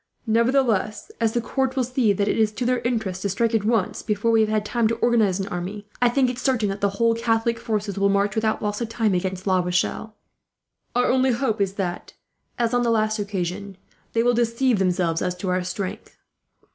"Nevertheless, as the court will see that it is to their interest to strike at once, before we have had time to organize an army, I think it certain that the whole Catholic forces will march, without loss of time, against La Rochelle. Our only hope is that, as on the last occasion, they will deceive themselves as to our strength.